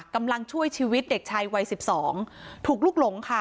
กำลังช่วยชีวิตเด็กชายวัยสิบสองถูกลุกหลงค่ะ